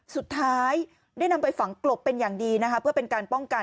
สุดท้ายได้นำไปฝังกลบเป็นอย่างดีนะคะเพื่อเป็นการป้องกัน